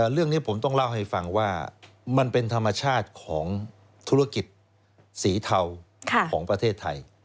เรื่องนี้ผมต้องเล่าให้ฟังว่ามันเป็นธรรมชาติของธุรกิจสีเทาของประเทศไทย